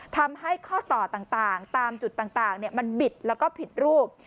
ทำให้ข้อต่อต่างตามจุดต่างมันบิดแล้วก็ผิดรูป